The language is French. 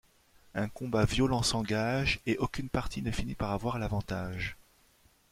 Un combat violent s’engage et aucune partie ne finit par avoir l’avantage.